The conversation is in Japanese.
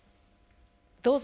どうぞ。